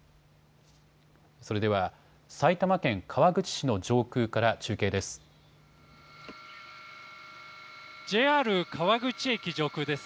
それでは埼玉県川口市の上空から中継です。